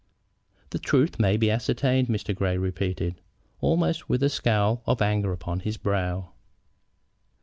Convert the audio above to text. "The truth may be ascertained," Mr. Grey repeated, almost with a scowl of anger upon his brow.